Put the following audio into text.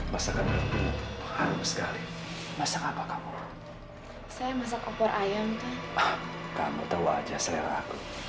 masakan hanum sekali masak apa kamu saya masak opor ayam kamu tahu aja selera